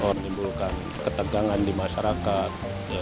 menimbulkan ketegangan di masyarakat